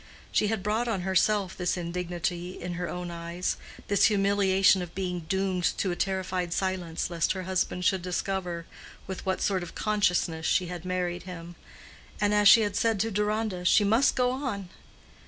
She had brought on herself this indignity in her own eyes—this humiliation of being doomed to a terrified silence lest her husband should discover with what sort of consciousness she had married him; and as she had said to Deronda, she "must go on."